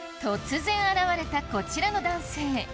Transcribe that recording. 突然現れたこちらの男性